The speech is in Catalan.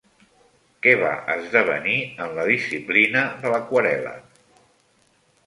Què va esdevenir en la disciplina de l'aquarel·la?